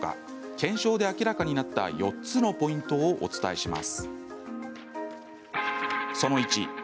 検証で明らかになった４つのポイントをお伝えします。